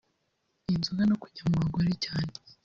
inzoga no kujya mu bagore cyane